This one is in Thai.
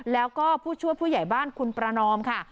แล้วก็ผู้ช่วยผู้ใหญ่บ้านคุณประนอมค่ะ